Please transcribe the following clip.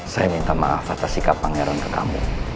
saya minta maaf atas sikap pangeran ke kamu